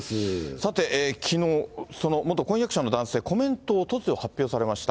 さて、きのう、その元婚約者の男性、コメントを突如発表されました。